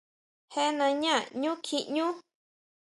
¿Jé nañá ʼñú kjiñú?